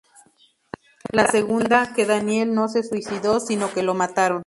La segunda, que Daniel no se suicidó sino que lo mataron.